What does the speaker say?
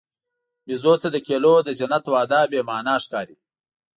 بیزو ته د کیلو د جنت وعده بېمعنی ښکاري.